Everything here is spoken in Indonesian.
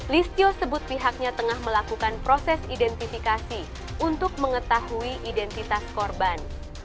listio sebut pihaknya tengah melakukan proses identifikasi untuk mengetahui identitas korban